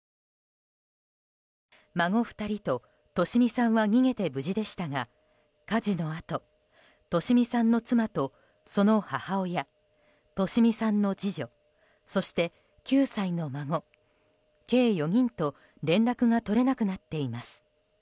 孫２人と利美さんは逃げて無事でしたが火事のあと利美さんの妻とその母親利美さんの次女そして、９歳の孫計４人と連絡が取れなくなっています。